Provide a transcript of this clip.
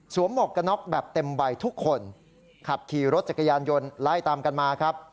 หมวกกระน็อกแบบเต็มใบทุกคนขับขี่รถจักรยานยนต์ไล่ตามกันมาครับ